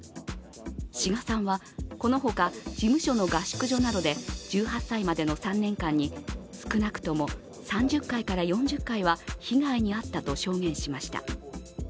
志賀さんは、このほか、事務所の合宿所などで１８歳までの３年間に少なくとも３０回から４０回は被害に遭ったと証言しました。